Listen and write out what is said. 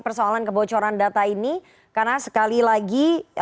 persoalan kebocoran data ini